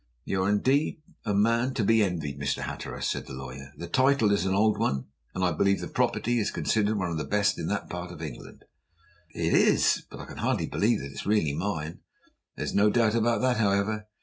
"You are indeed a man to be envied, Mr. Hatteras," said the lawyer. "The title is an old one, and I believe the property is considered one of the best in that part of England." "It is! But I can hardly believe that it is really mine." "There is no doubt about that, however.